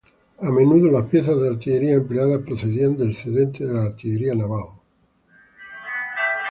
A menudo las piezas de artillería empleadas procedían de excedentes de la artillería naval.